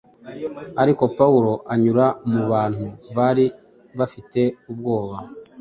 Ariko Pawulo anyura mu bantu bari bafite ubwoba,